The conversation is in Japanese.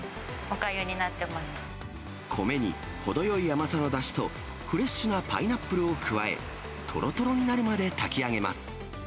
米に程よい甘さのだしと、フレッシュなパイナップルを加え、とろとろになるまで炊き上げます。